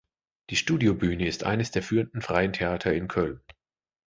Die "Studiobühne" ist eines der führenden Freien Theater in Köln.